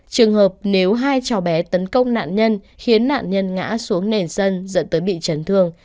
trường hợp nếu hai cháu bé tấn công nạn nhân khiến nạn nhân ngã xuống nền sân dẫn tới bị chấn thương